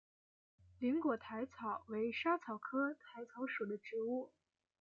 菱果薹草为莎草科薹草属的植物。